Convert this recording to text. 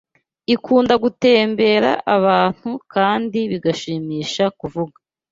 ikunda gutembera abantu-kandi bigashimisha kuvuga